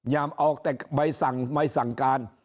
ออกแต่ใบสั่งใบสั่งการ